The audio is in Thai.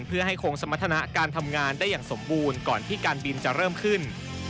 เพื่อให้คงสมรรถนะการทำงานได้อย่างสมบูรณ์ก่อนที่การบินจะเริ่มขึ้น